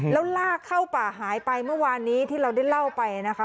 แล้วลากเข้าป่าหายไปเมื่อวานนี้ที่เราได้เล่าไปนะคะ